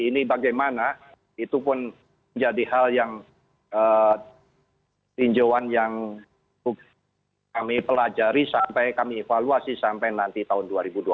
ini bagaimana itu pun menjadi hal yang tinjauan yang kami pelajari sampai kami evaluasi sampai nanti tahun dua ribu dua puluh